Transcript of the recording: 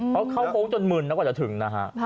เข้าโค้งจนหมื่นแล้วก็จะถึงนะฮะ